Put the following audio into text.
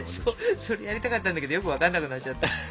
それやりたかったんだけどよく分かんなくなっちゃった。